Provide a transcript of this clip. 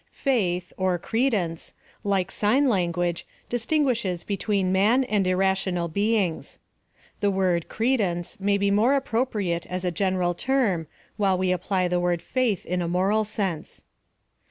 Faith, or Credence, like sign language, distin guishes between man and irrational beings. (The word Credence may be more appropriate as a gen eral term, while we apply the word Faith in a moral sense.)